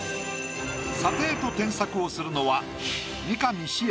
査定と添削をするのは。